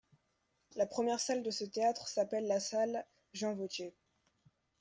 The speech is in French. La première salle de ce théâtre s'appelle la salle Jean Vauthier.